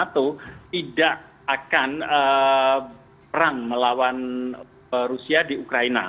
tidak akan perang melawan rusia di ukraina